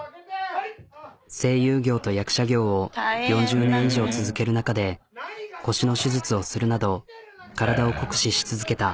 声優業と役者業を４０年以上続ける中で腰の手術をするなど体を酷使し続けた。